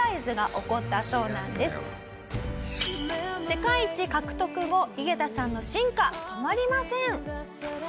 「世界一獲得後ユゲタさんの進化止まりません」